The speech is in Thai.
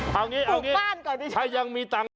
ปลูกบ้านก่อนดิฉัน